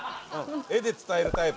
画で伝えるタイプ。